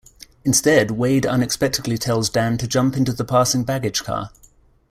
Instead, Wade unexpectedly tells Dan to jump into the passing baggage car.